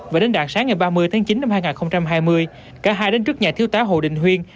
và đến đạt sáng ngày ba mươi tháng chín năm hai nghìn hai mươi cả hai đến trước nhà thiếu tá hồ đình huyên